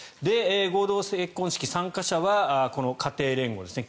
合同結婚式参加者はこの家庭連合ですね